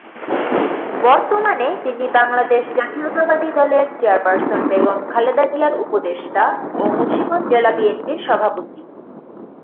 বর্তমানে তিনি বাংলাদেশ জাতীয়তাবাদী দলের চেয়ারপার্সন বেগম খালেদা জিয়ার উপদেষ্টা ও মুন্সিগঞ্জ জেলা বিএনপির সভাপতি।